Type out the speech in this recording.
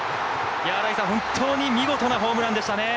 新井さん、本当に見事なホームランでしたね。